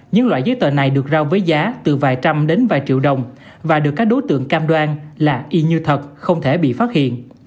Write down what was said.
những loại giấy tờ này được giao với giá từ vài trăm đến vài triệu đồng và được các đối tượng cam đoan là y như thật không thể bị phát hiện